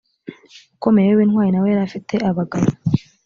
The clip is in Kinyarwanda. ukomeye w intwari na we yari afite abagabo